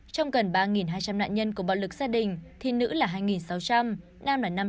trong gần ba hai trăm linh nạn nhân của bạo lực gia đình thi nữ là hai sáu trăm linh nam là năm trăm sáu mươi năm